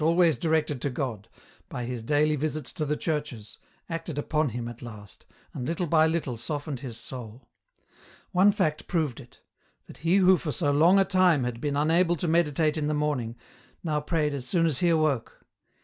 69 always directed to God, by his daily visits to the churches, acted upon him at last, and little by little softened his soul. One fact proved it : that he who for so long a time had been unable to meditate in the morning, now prayed as soon as he awoke.